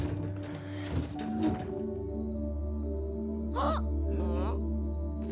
・あっ！！